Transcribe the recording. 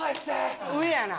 上やな。